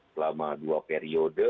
selama dua periode